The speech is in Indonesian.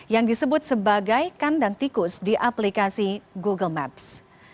yang disebut sebagai kandang tikus di aplikasi google maps